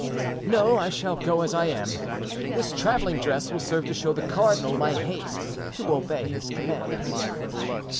"No, I shall go as I am. This traveling dress will serve to show the cardinal my haste to obey his commands."